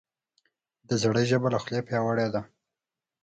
د زړه ژبه له خولې پیاوړې ده.